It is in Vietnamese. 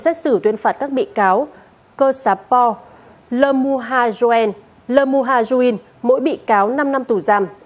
xét xử tuyên phạt các bị cáo cơ sà po lơ mu ha ru en lơ mu ha ru in mỗi bị cáo năm năm tù giam